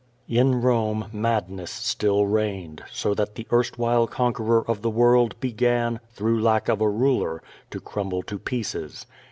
In Rome madness still reigned, so that the erstwhile con queror of the world began, through lack of a ruler, to crumble to pieces.